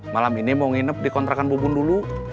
malam ini mau nginep dikontrakan bu bun dulu